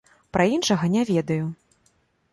Пра іншага не ведаю.